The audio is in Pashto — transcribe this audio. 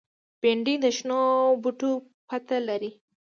بېنډۍ د شنو بوټو پته لري